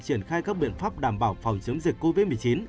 triển khai các biện pháp đảm bảo phòng chống dịch covid một mươi chín